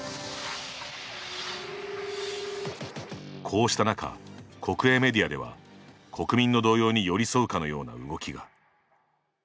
こうした中、国営メディアでは国民の動揺に寄り添うかのような動きが。